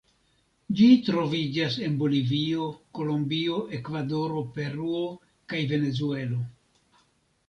Ĝi troviĝas en Bolivio, Kolombio, Ekvadoro, Peruo kaj Venezuelo.